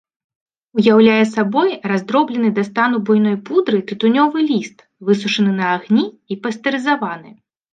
Уяўляе сабой раздроблены да стану буйной пудры тытунёвы ліст, высушаны на агні і пастэрызаваны.